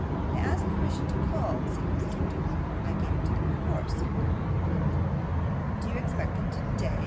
'They asked permission to call,' said Mrs. Wititterly. 'I gave it them of course.' 'Do you expect them today?